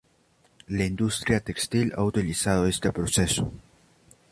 La industria textil ha utilizado este proceso.